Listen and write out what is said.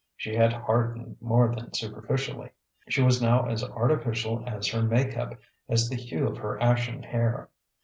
She had hardened more than superficially; she was now as artificial as her make up, as the hue of her ashen hair.